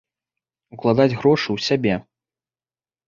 Укладаць грошы ў сябе!